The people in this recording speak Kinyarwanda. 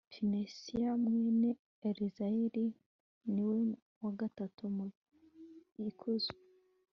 pineyasi, mwene eleyazari, ni we wa gatatu mu ikuzo